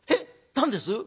何です？」。